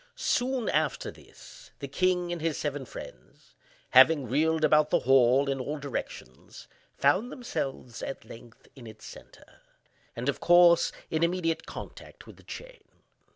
Soon after this, the king and his seven friends having reeled about the hall in all directions, found themselves, at length, in its centre, and, of course, in immediate contact with the chain.